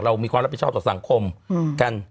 มีความรับผิดชอบต่อสังคมกัน